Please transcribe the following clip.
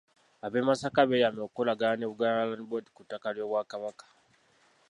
Ab’e Masaka beeyamye okukolagana ne Buganda Land Board ku ttaka ly’obwakabaka.